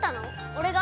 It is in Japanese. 俺が？